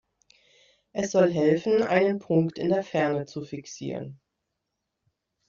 Es soll helfen, einen Punkt in der Ferne zu fixieren.